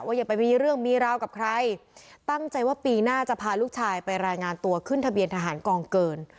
อย่าไปมีเรื่องมีราวกับใครตั้งใจว่าปีหน้าจะพาลูกชายไปรายงานตัวขึ้นทะเบียนทหารกองเกิน